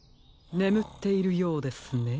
ねむっているようですね。